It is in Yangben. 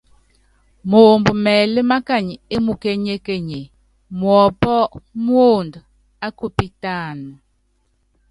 Moomb mɛɛlɛ́ mákany é mukéŋénye, muɔ́pɔ́ muond á kupitáan.